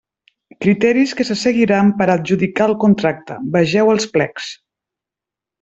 Criteris que se seguiran per a adjudicar el contracte: vegeu els plecs.